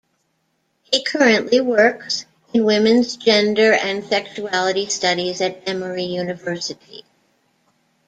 He currently works in Women's, Gender and Sexuality Studies at Emory University.